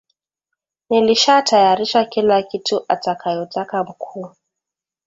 Nilishatayarisha kila kitu atakayotaka mkuu